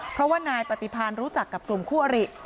เพราะว่านายปฏิพันธ์รู้จักกับกลุ่มคู่อริ